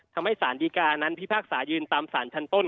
สารดีการนั้นพิพากษายืนตามสารชั้นต้น